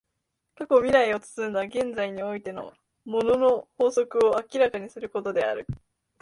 過去未来を包んだ現在においての物の法則を明らかにすることである。